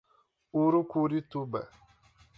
Urucurituba